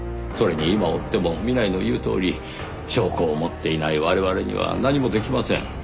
それに今追っても南井の言うとおり証拠を持っていない我々には何もできません。